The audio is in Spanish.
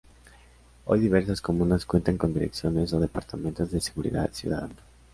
Hoy diversas comunas cuentan con direcciones o departamentos de seguridad ciudadana.